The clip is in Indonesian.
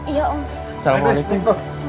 iya om assalamualaikum